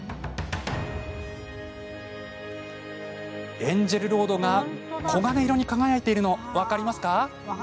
エンジェルロードが黄金色に輝いているのが分かりますか？